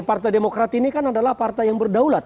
partai demokrat ini kan adalah partai yang berdaulat